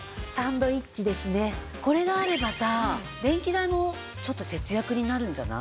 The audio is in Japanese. これがあればさ電気代もちょっと節約になるんじゃない？